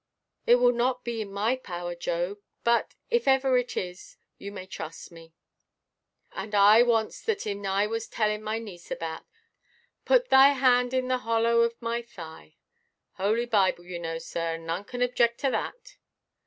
"It will not be in my power, Job. But if ever it is, you may trust me." "And I wants that in I was tellin' my niece about, 'Put Thy hand in the hollow of my thigh.' Holy Bible, you know, sir, and none canʼt object to that."